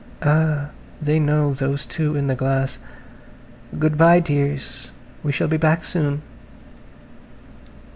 Ah, they know those two in the glass. Good bye, dears; we shall be back soon.